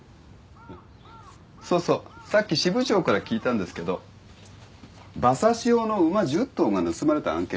そうそうさっき支部長から聞いたんですけど馬刺し用の馬１０頭が盗まれた案件。